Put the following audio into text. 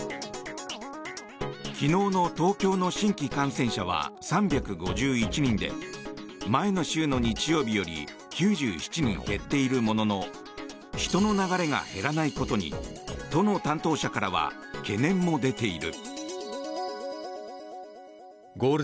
昨日の東京の新規感染者は３５１人で前の週の日曜日より９７人減っているものの人の流れが減らないことに都の担当者からは懸念も出ている。